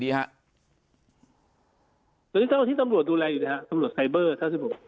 สำหรับที่สำรวจดูแลสำหรับถ้าสินโบสถ์ศิลปุ่น